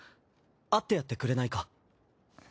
会ってやってくれないか？